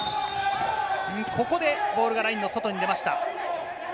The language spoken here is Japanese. ここでボールがラインの外に出ました。